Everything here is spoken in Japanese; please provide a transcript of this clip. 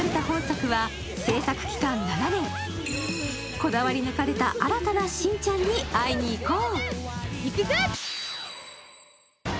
こだわり抜かれた新たなしんちゃんに会いにいこう。